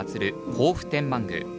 防府天満宮。